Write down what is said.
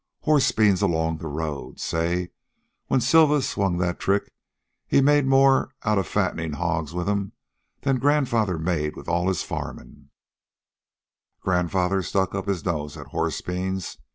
Horse beans along the road say, when Silva swung that trick he made more outa fattenin' hogs with 'em than grandfather made with all his farmin'. Grandfather stuck up his nose at horse beans.